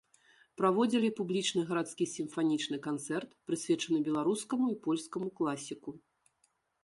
Праводзілі публічны гарадскі сімфанічны канцэрт, прысвечаны беларускаму і польскаму класіку.